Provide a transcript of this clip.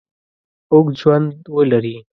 اوږد ژوند ولري.